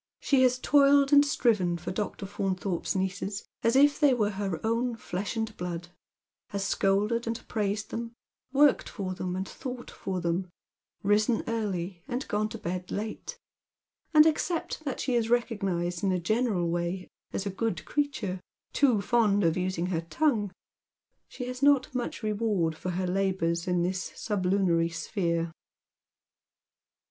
She has toiled and striven for Dr. Faunthorpe's nieces as if they were her own flesh and blood ; has scolded and praised them, worked for them and thought for them, risen early and gone to bed late ; and except that she is recognised in a general way as a good creature, too fond of using her tongue, she has not much reward for her labours in this sublunary sphere.